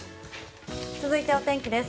続いてお天気です。